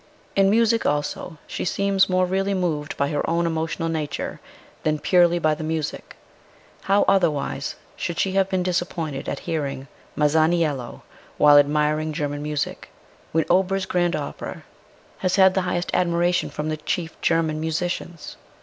In music, also, she seems more really moved by her own emotional nature than purely by the music ; how, otherwise, should she have been disappointed at hearing Masaniello, while admiring German music, when Auber's grand opera has had the highest admiration from the chief German musicians